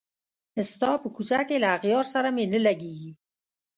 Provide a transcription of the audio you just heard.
ستا په کوڅه کي له اغیار سره مي نه لګیږي